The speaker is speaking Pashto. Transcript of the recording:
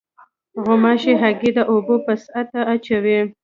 غوماشې هګۍ د اوبو په سطحه اچوي.